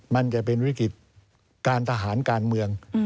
มันจะเป็นวิกฤติการทหารการเมือง